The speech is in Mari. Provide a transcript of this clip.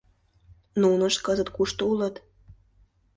Нунышт кызыт кушто улыт?